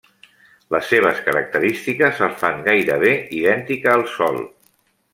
Les seves característiques el fan gairebé idèntica al Sol.